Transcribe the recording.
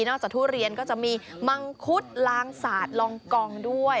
จากทุเรียนก็จะมีมังคุดลางสาดลองกองด้วย